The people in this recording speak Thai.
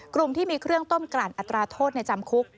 กลุ่มที่มีเครื่องต้มกลั่นอัตราโทษในจำคุก